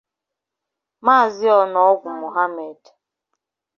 Maazị Onogwu Mohammed